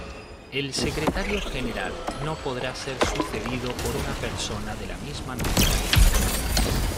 El Secretario General no podrá ser sucedido por una persona de la misma nacionalidad.